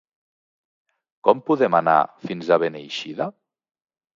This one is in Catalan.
Com podem anar fins a Beneixida?